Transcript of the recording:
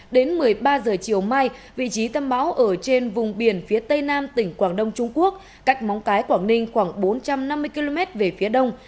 đến một mươi ba h chiều mai vị trí tâm bão ở trên vùng biển phía tây nam tỉnh quảng đông trung quốc cách móng cái quảng ninh khoảng bốn trăm năm mươi km về phía đông